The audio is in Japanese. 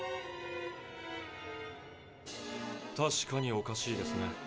確かにおかしいですね。